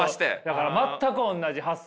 だから全く同じ発想。